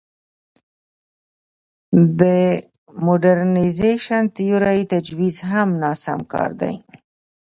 د موډرنیزېشن تیورۍ تجویز هم ناسم کار دی.